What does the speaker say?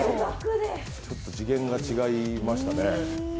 ちょっと次元が違いましたね。